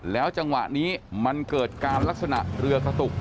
จังหวะนี้มันเกิดการลักษณะเรือกระตุก